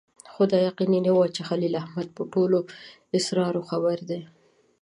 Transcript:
خو دا یقیني نه وه چې خلیل احمد په ټولو اسرارو خبر دی.